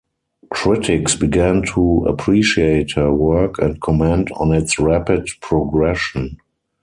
Critics began to appreciate her work and comment on its rapid progression.